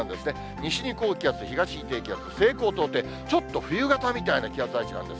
西に高気圧、東に低気圧、西高東低、ちょっと冬型みたいな気圧配置なんです。